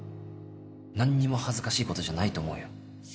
何も恥ずかしいことじゃないと思うよ